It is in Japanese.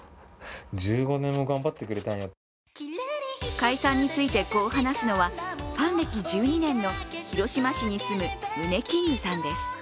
解散についてこう話すのはファン歴１２年の広島市に住むムネキングさんです。